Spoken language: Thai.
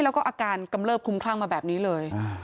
แล้วก็อาการกำเลิบคลุมคลั่งมาแบบนี้เลย